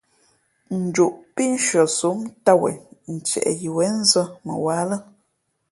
Njoʼ pí nshʉαsǒm ntām wen ntieʼ yi wěn nzᾱ mαwǎ lά.